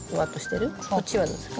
こっちはどうですか？